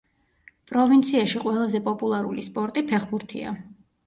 პროვინციაში ყველაზე პოპულარული სპორტი ფეხბურთია.